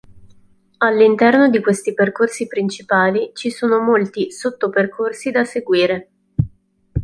All'interno di questi percorsi principali ci sono molti sotto-percorsi da seguire.